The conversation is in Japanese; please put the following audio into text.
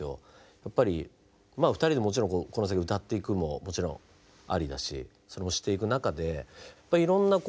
やっぱり２人でもちろんこの先歌っていくのももちろんありだしそれもしていく中でいろんなこういうコラボ